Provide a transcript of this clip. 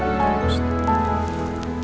assalamualaikum warahmatullahi wabarakatuh